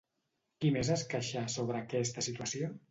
Qui més es queixà sobre aquesta situació?